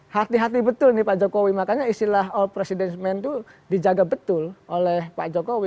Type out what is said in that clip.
hati hati betul nih pak jokowi makanya istilah all president men itu dijaga betul oleh pak jokowi